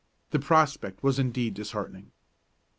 The prospect was indeed disheartening.